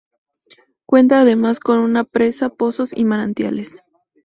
Cuenta además con una presa, pozos y manantiales.